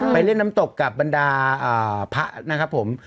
ไปเล่นน้ำตกกับบรรดาพระนะครับผม